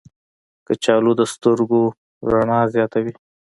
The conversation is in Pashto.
کچالو د سترګو رڼا زیاتوي.